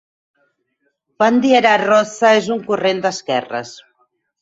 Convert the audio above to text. Bandiera Rossa és un corrent d'esquerres.